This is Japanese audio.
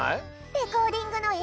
レコーディングのえい